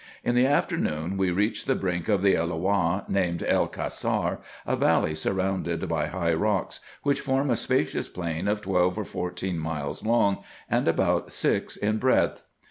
In the after noon we reached the brink of the Elloah, named El Cassar, a valley surrounded by high rocks, which form a spacious plain of twelve or fourteen miles long, and about six in breadth.